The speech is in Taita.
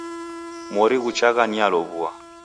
Mori ghuchagha nialow'ua.